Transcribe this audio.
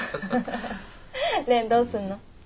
蓮どうすんの？